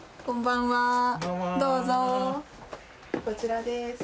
こちらです。